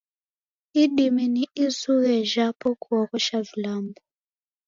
Idime ni izughe jhapo kuoghosha vilambo.